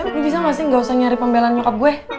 ini bisa gak sih gak usah nyari pembelan nyokap gue